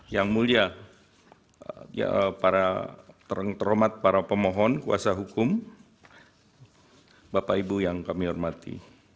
yang mulia para terhormat para pemohon kuasa hukum bapak ibu yang kami hormati